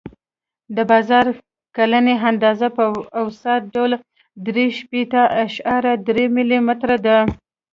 د باران کلنۍ اندازه په اوسط ډول درې شپېته اعشاریه درې ملي متره ده